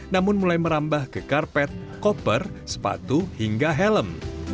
namun mulai merambah ke karpet koper sepatu hingga helm